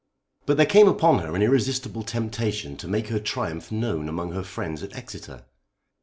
But there came upon her an irresistible temptation to make her triumph known among her friends at Exeter.